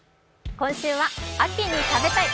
今週は「秋に食べたい！